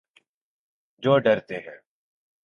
جو ڈرتے ہیں